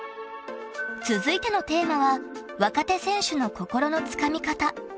［続いてのテーマは「若手選手の心の掴み方」］